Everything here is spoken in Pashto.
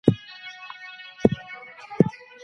نظام د کشش او پیوستون په وسیله ساتل کیږي.